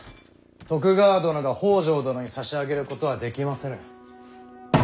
徳川殿が北条殿に差し上げることはできませぬ。